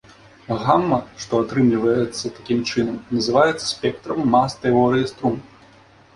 Гама, што атрымліваецца такім чынам, называецца спектрам мас тэорыі струн.